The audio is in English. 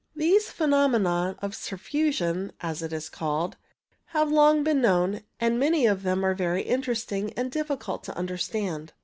These phenomena of surfusion, as it is called, have long been known, and many of them are very interesting and difficult to understand.